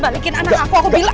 balikin anak aku aku bilang